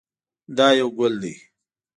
دا یو ګل دی.